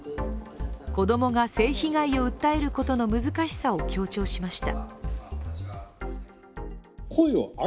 子供が性被害を訴えることの難しさを強調しました。